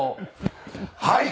はい。